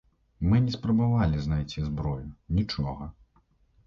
Мы не спрабавалі знайсці зброю, нічога.